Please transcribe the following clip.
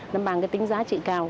nó mang cái tính giá trị cao